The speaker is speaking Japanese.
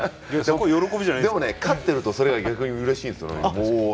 でも、勝っているとそれが逆にうれしいんです。